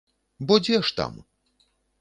Бо дзе ж там!